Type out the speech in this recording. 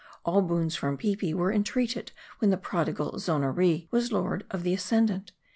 All boons from Peepi were en treated when the prodigal Zonoree was lord of the ascend ant.